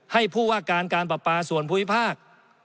ให้ผู้ว่าการการปราปาส่วนภูมิภาค